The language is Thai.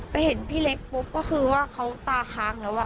เห็นพี่เล็กปุ๊บก็คือว่าเขาตาค้างแล้ว